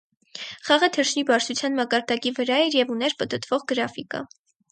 Խաղը «թռչնի բարձրության» մակարդակի վրա էր և ուներ պտտվող գրաֆիկա։